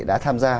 đã tham gia